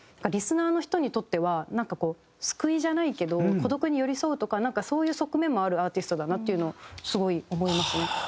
リスナーの人にとってはなんかこう救いじゃないけど孤独に寄り添うとかそういう側面もあるアーティストだなっていうのをすごい思いますね。